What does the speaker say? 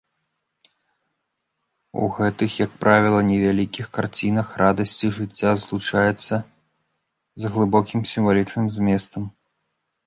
У гэтых, як правіла, невялікіх карцінах радасці жыцця злучаюцца з глыбокім сімвалічным зместам.